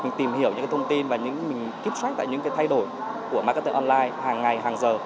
mình tìm hiểu những thông tin và mình keep track tại những cái thay đổi của marketing online hàng ngày hàng giờ